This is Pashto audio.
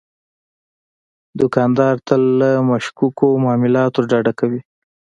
دوکاندار تل له مشکوکو معاملاتو ډډه کوي.